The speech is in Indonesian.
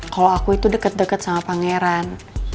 kalau aku itu deket deket sama pangeran